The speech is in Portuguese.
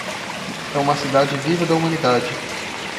É uma cidade viva da humanidade